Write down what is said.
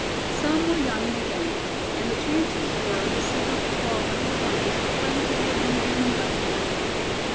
Some were yawning again, and the chances were the signal to crawl under the blankets would presently have been given by Thad.